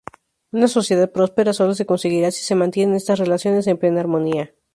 Una sociedad próspera sólo se conseguirá si se mantienen estas relaciones en plena armonía.